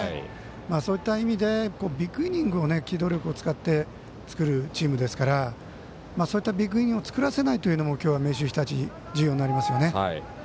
そういった意味でビッグイニングを機動力を使って作るチームですからそういったビッグイニングを作らせないというのも今日は明秀日立重要になりますね。